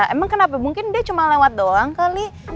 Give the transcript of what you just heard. emang kenapa mungkin dia cuma lewat doang kali